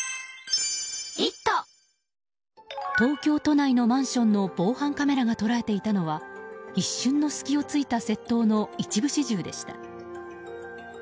東京都内のマンションの防犯カメラが捉えていたのは一瞬の隙を突いた窃盗の一部始終でした。